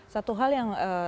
satu hal yang